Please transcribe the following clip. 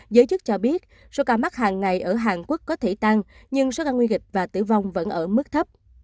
giới chức cho biết số ca mắc hàng ngày ở hàn quốc có thể tăng nhưng số ca nguy kịch và tử vong vẫn ở mức thấp